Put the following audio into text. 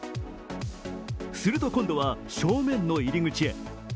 すると今度は、正面の入り口へ。